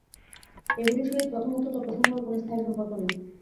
এইগুলির সহিত প্রথমোক্ত তত্ত্বসমূহের কোন স্থায়ী সম্পর্ক নাই।